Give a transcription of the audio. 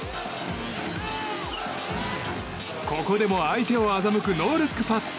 ここでも相手を欺くノールックパス。